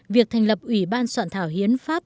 việc thành lập ủy ban soạn thảo hiến pháp